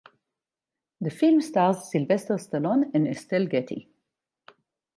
The film stars Sylvester Stallone and Estelle Getty.